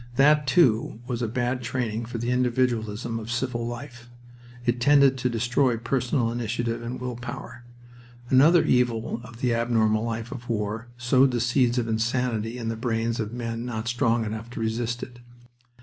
That, too, was a bad training for the individualism of civil life. It tended to destroy personal initiative and willpower. Another evil of the abnormal life of war sowed the seeds of insanity in the brains of men not strong enough to resist it.